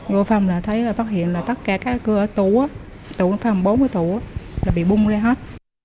vô phòng là thấy là phát hiện là tất cả các cửa tủ tủ phòng bốn mươi tủ là bị bung lên hết